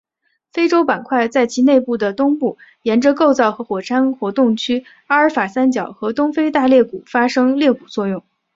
非洲板块在其内部的东部沿着构造和火山活动区阿法尔三角和东非大裂谷发生裂谷作用。